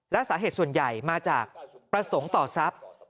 และสาเหตุส่วนใหญ่มาจากประสงค์ต่อทรัพย์